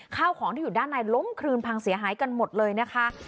ข้าวของที่อยู่ด้านในล้มคลืนพังเสียหายกันหมดเลยนะคะ